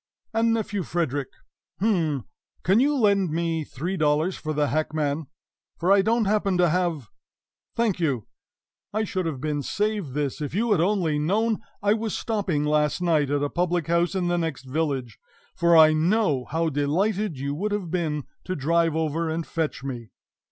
And, Nephew Frederick h'm! can you lend me three dollars for the hackman? For I don't happen to have Thank you! I should have been saved this if you had only known I was stopping last night at a public house in the next village, for I know how delighted you would have been to drive over and fetch me!"